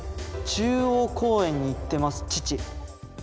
「中央公園に行ってます父」。